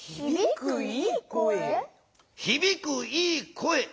「ひびくいい声」